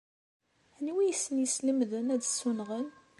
Anwa ay asen-yeslemden ad ssunɣen?